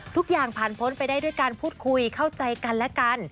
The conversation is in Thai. ทุกอย่างผ่านพ้นไปได้ด้วยการพูดคุยเข้าใจกันและกัน